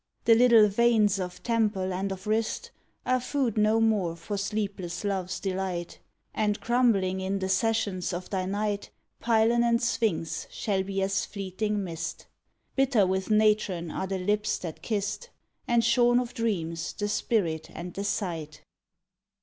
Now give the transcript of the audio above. The little veins of temple and of wrist Are food no more for sleepless love s delight, And crumbling in the sessions of thy night, Pylon and sphinx shall be as fleeting mist. Bitter with natron are the lips that kissed, And shorn of dreams the spirit and the sight.